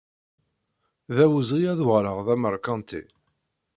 D awezɣi ad uɣaleɣ d ameṛkanti.